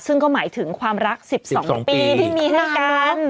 ซึ่งก็หมายถึงความรัก๑๒ปีที่มีให้กัน